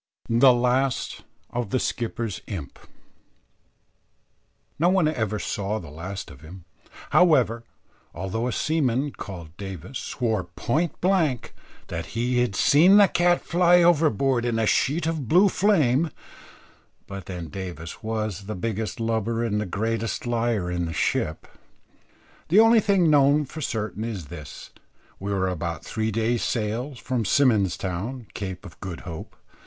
THE LAST OF THE SKIPPER'S IMP. No one ever saw the last of him, however; although a seaman, called Davis, swore point black, that he had seen the cat fly overboard in a sheet of blue flame; but then Davis was the biggest lubber and the greatest liar in the ship. The only thing known for certain is this: we were about three days' sail from Symon's Town, Cape of Good Hope.